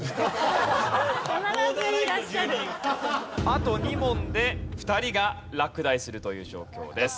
あと２問で２人が落第するという状況です。